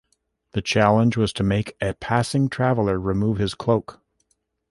The challenge was to make a passing traveler remove his cloak.